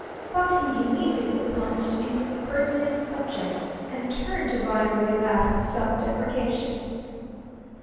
But he immediately plunged into the pertinent subject, and turned to Viner with a laugh of self deprecation.